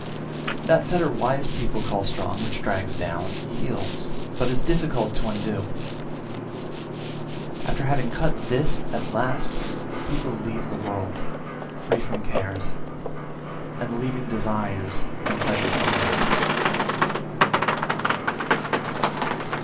346. That fetter wise people call strong which drags down, yields, but is difficult to undo; after having cut this at last, people leave the world, free from cares, and leaving desires and pleasures behind.